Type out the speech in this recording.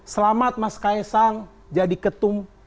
selamat mas kaisang jadi ketum